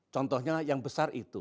contohnya yang besar itu